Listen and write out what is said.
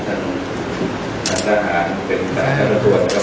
ท่านทหารเป็นสหรัฐวรรษ